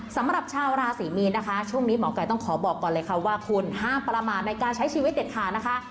สำหรับชาวราศรีมีนนะคะช่วงนี้หมอไก่ต้องขอบอกก่อนเลยค่ะว่าคุณห้ามประมาทในการใช้ชีวิตเด็ดขาดนะคะ